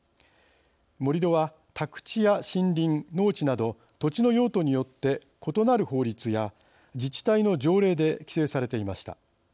盛り土は宅地や森林、農地など土地の用途によって異なる法律や自治体の条例で規制されていました。